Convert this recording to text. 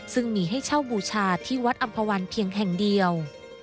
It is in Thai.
ซึ่งมีให้เช่าบูชาที่วัดอำภาวันเพียงแห่งเดียว